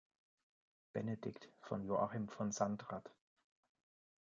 Benedikt“ von Joachim von Sandrart.